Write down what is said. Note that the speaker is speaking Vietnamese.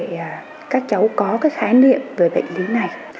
thì các cháu có cái khái niệm về bệnh lý này